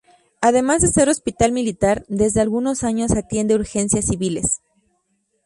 Además de ser hospital militar, desde algunos años atiende urgencias civiles.